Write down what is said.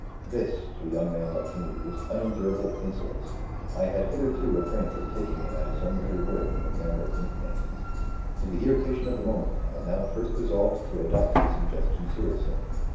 This (to a young man like me) was unendurable insolence. I had hitherto refrained from taking him at his own bitter word in the matter of nick name. In the irritation of the moment, I now first resolved to adopt his suggestion seriously.